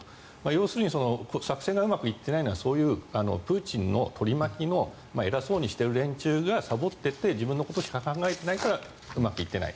要するに作戦がうまくいっていないのはそういうプーチンの取り巻きの偉そうにしてる連中がさぼっていて自分のことしか考えていないからうまくいっていない。